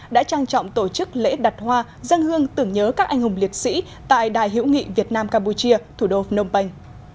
đã trang trọng tổ chức lễ đặt hoa dâng hương tưởng nhớ các anh hùng liệt sĩ tại đại hiểu nghị việt nam campuchia thủ đô phnom penh